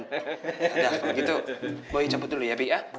udah kalau gitu boy cepet dulu ya bi ya